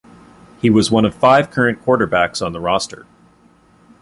He was one of five current Quarterbacks on the roster.